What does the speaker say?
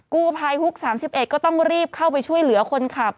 กู้ภัยฮุก๓๑ก็ต้องรีบเข้าไปช่วยเหลือคนขับ